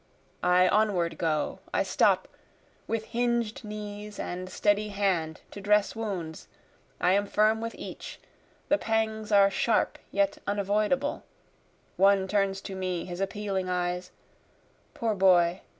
I onward go, I stop, With hinged knees and steady hand to dress wounds, I am firm with each, the pangs are sharp yet unavoidable, One turns to me his appealing eyes poor boy!